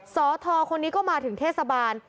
สทคนนี้ก็มาถึงเทศบาล